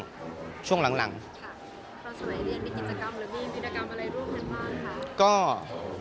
ค่ะคุณสมัยเรียนมีกิจกรรมหรือวินากรรมอะไรร่วมครับบ้างค่ะ